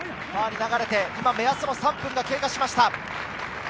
今、目安の３分が経過しました。